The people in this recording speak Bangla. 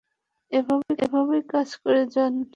এভাবেই কাজ করে যান।